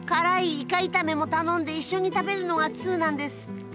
イカ炒めも頼んで一緒に食べるのが通なんですって。